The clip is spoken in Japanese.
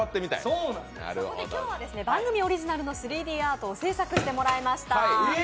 今日は番組オリジナルの３Ｄアートを制作してもらいました。